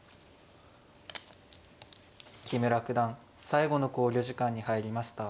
木村九段最後の考慮時間に入りました。